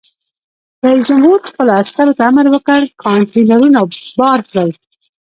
رئیس جمهور خپلو عسکرو ته امر وکړ؛ کانټینرونه بار کړئ!